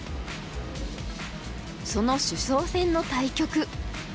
その主将戦の対局。